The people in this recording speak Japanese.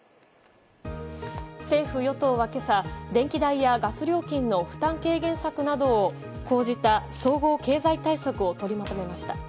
政府・与党は今朝、電気代やガス料金の負担軽減策などを講じた総合経済対策を取りまとめました。